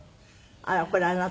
あらこれあなた？